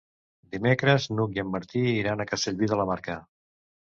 Dimecres n'Hug i en Martí iran a Castellví de la Marca.